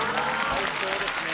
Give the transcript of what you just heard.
最高ですね。